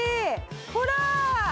ほら！